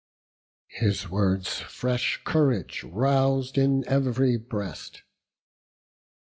His words fresh courage rous'd in ev'ry breast.